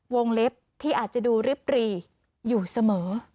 เล็บที่อาจจะดูริบรีอยู่เสมอ